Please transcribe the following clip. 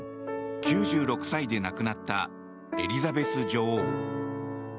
７０年９６歳で亡くなったエリザベス女王。